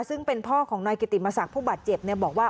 ซึ่งเป็นพ่อของนายกิติมศักดิ์ผู้บาดเจ็บบอกว่า